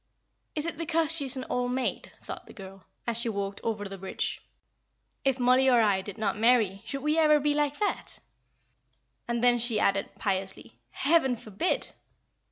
"Is it because she is an old maid?" thought the girl, as she walked over the bridge. "If Mollie or I did not marry, should we ever be like that?" and then she added, piously, "Heaven forbid!"